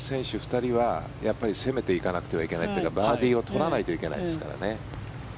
２人は攻めていかなくてはいけないというかバーディーを取らないといけないですからね。